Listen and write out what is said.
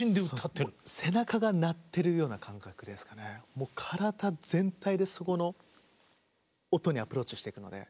もう体全体でそこの音にアプローチしていくので。